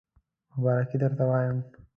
مبارکی درته وایم